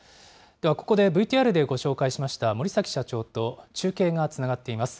では、ここでＶＴＲでご紹介しました、森崎社長と中継がつながっています。